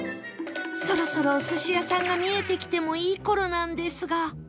そろそろお寿司屋さんが見えてきてもいい頃なんですが